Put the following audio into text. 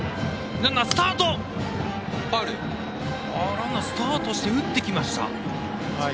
ランナースタートして打ってきました。